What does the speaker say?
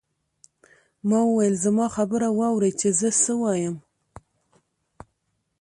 ما وویل زما خبره واورئ چې زه څه وایم.